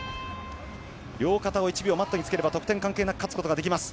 両肩を１秒マットにつければ得点関係なく勝つことができます。